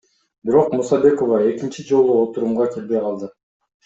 Бирок Мусабекова экинчи жолу отурумга келбей калды.